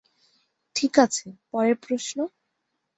ঠিক আছে, পরের প্রশ্ন!